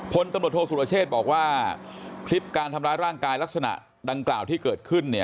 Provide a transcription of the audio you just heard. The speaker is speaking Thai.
พลตำรวจโทษสุรเชษบอกว่าคลิปการทำร้ายร่างกายลักษณะดังกล่าวที่เกิดขึ้น